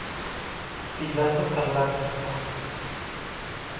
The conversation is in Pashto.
اجازه ترلاسه کړه.